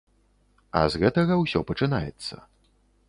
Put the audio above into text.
А з гэтага ўсё пачынаецца.